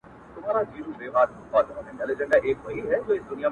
• له نسیم سره زګېروئ د جانان راغی ,